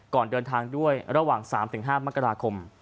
ก่อนเดินทางด้วยระหว่าง๓๕มกราคม